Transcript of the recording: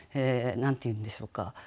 何て言うんでしょうか